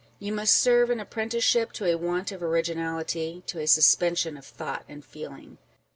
You must serve an apprenticeship to a want of originality, to a suspension of thought and feeling.